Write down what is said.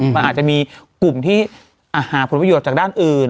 มันอาจจะมีกลุ่มที่หาผลประโยชน์จากด้านอื่น